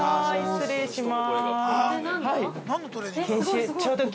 ◆失礼します。